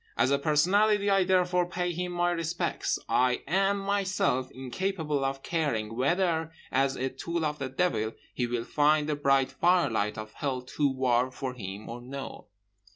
As a personality I therefore pay him my respects. I am myself incapable of caring whether, as a tool of the Devil, he will find the bright firelight of Hell too warm for him or no.